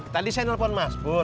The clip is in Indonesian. tadi saya telfon mas pur